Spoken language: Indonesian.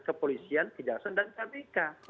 kepolisian pindahasan dan kpk